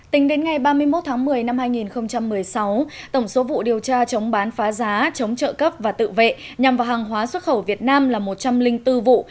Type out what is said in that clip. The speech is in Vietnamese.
tính đến ngày ba mươi một tháng một mươi năm hai nghìn một mươi sáu tổng số vụ điều tra chống bán phá giá chống trợ cấp và tự vệ nhằm vào hàng hóa xuất khẩu việt nam là một trăm linh bốn vụ